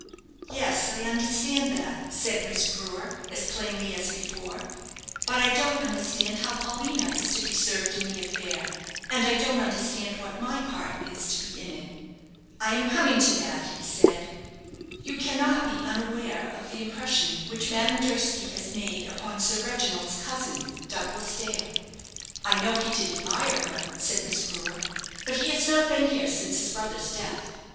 "Yes, I understand that," said Miss Brewer, as plainly as before; "but I don't understand how Paulina is to be served in the affair, and I don't understand what my part is to be in it." "I am coming to that," he said. "You cannot be unaware of the impression which Madame Durski has made upon Sir Reginald's cousin, Douglas Dale." "I know he did admire her," said Miss Brewer, "but he has not been here since his brother's death.